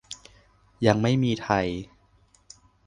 ยังไม่มีไทย